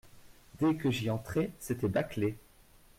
Dès que j’y entrais, c’était bâclé…